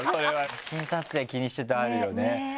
写真撮影気にしてるとあるよね。